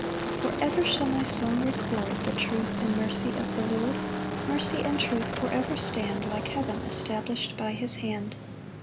1 For ever shall my song record The truth and mercy of the Lord; Mercy and truth for ever stand, Like heaven, establish'd by his hand.